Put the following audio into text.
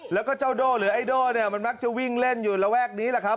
แล้วก็เจ้าโด่หรือไอโด่เนี่ยมันมักจะวิ่งเล่นอยู่ระแวกนี้แหละครับ